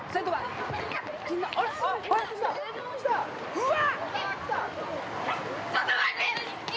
うわ！